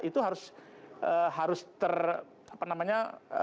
itu harus ter apa namanya